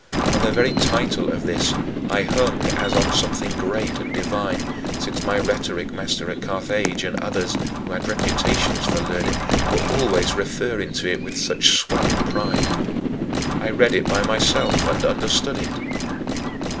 On the very title of this I hung as on something great and divine, since my rhetoric master at Carthage and others who had reputations for learning were always referring to it with such swelling pride. I read it by myself and understood it.